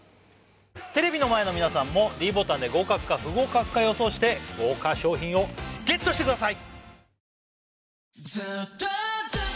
テレビの前の皆さんもｄボタンで合格か不合格か予想して豪華賞品をＧＥＴしてください！